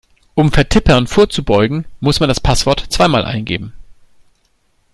Um Vertippern vorzubeugen, muss man das Passwort zweimal eingeben.